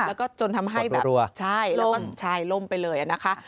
แล้วก็จนทำให้แบบล้มไปเลยนะคะล้ม